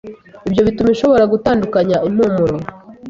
Ibyo bituma ishobora gutandukanya impumuro